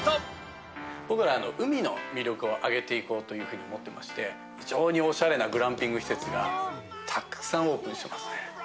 僕は、海の魅力を上げていこうというふうに思ってまして、非常におしゃれなグランピング施設がたくさんオープンしてますね。